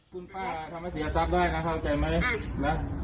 คุณป้าทำให้เสียทรัพย์ได้นะเข้าใจไหมนะ